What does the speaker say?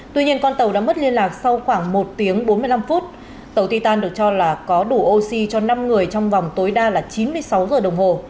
tuy nhiên con tàu đã mất liên lạc sau khoảng một tiếng bốn mươi năm phút tàu ti tàn được cho là có đủ oxy cho năm người trong vòng tối đa là chín mươi sáu giờ đồng hồ